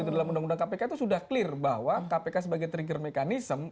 dalam undang undang kpk itu sudah clear bahwa kpk sebagai trigger mechanism